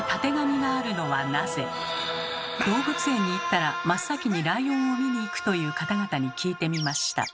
動物園に行ったら真っ先にライオンを見に行くという方々に聞いてみました。